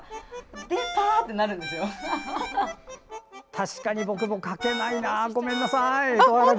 確かに僕も書けないなごめんなさい。